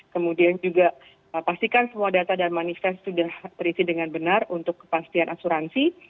kemudian juga pastikan semua data dan manifest sudah terisi dengan benar untuk kepastian asuransi